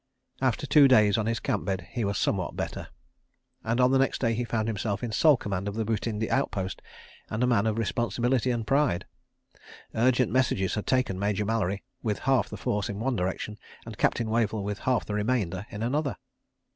...After two days on his camp bed he was somewhat better, and on the next day he found himself in sole command of the Butindi outpost and a man of responsibility and pride. Urgent messages had taken Major Mallery with half the force in one direction, and Captain Wavell with half the remainder in another.